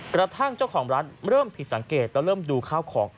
กระทั่งเจ้าของร้านเริ่มผิดสังเกตแล้วเริ่มดูข้าวของ